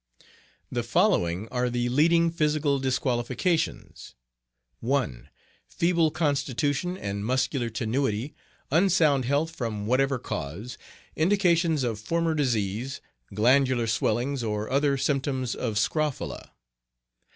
The following are the leading physical disqualifications: 1. Feeble constitution and muscular tenuity; unsound health from whatever cause; indications of former disease; glandular swellings, or other symptoms of scrofula.